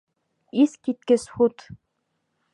Иҫ киткес һут!